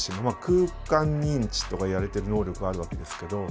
空間認知とかいわれてる能力があるわけですけど。